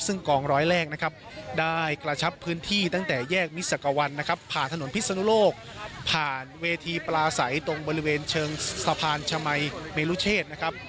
ซึ่งกองร้อยแรกนะครับได้กระชับพื้นที่ตั้งแต่แยกมิสักวันนะครับผ่านถนนพิศนุโลกผ่านเวทีปลาใสตรงบริเวณเชิงสะพานชมัยเมลุเชษนะครับ